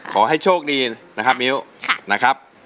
ขอให้โชคดีนะครับมิ้วนะครับ